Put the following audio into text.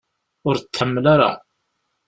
Ur t-tḥemmel ara.